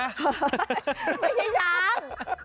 ไม่ใช่ยัง